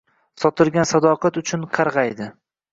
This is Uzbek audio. Sotilgan sadoqat uchun qargaydi